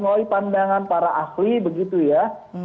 melalui pandangan para ahli begitu ya